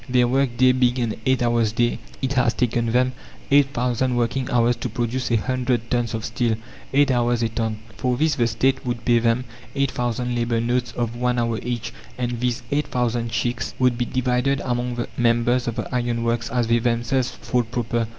Their work day being an eight hours day, it has taken them eight thousand working hours to produce a hundred tons of steel eight hours a ton." For this the State would pay them eight thousand labour notes of one hour each, and these eight thousand cheques would be divided among the members of the iron works as they themselves thought proper.